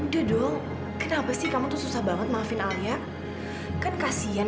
jangan percaya dengan orang yang